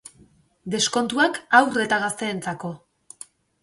Deskontuak haur eta gazteentzako